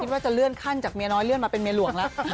ว่าจะเลื่อนขั้นจากเมียน้อยเลื่อนมาเป็นเมียหลวงแล้ว